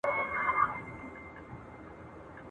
الاهو دي نازولي دي غوږونه؟ !.